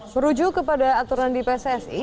merujuk kepada aturan di pssi